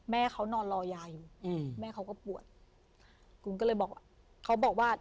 แม่เขานอนรอยาอยู่อืมแม่เขาก็ปวดกุ้งก็เลยบอกว่าเขาบอกว่า